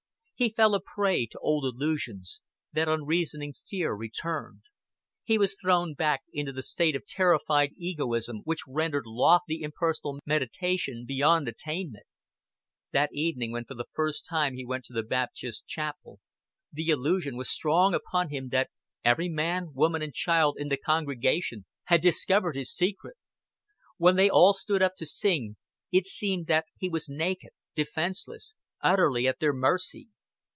He fell a prey to old illusions; that unreasoning fear returned; he was thrown back into the state of terrified egoism which rendered lofty impersonal meditation beyond attainment. That evening when for the first time he went to the Baptist Chapel, the illusion was strong upon him that every man, woman, and child in the congregation had discovered his secret. When they all stood up to sing, it seemed that he was naked, defenseless, utterly at their mercy.